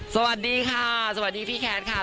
สวัสดีค่ะสวัสดีพี่แคทค่ะ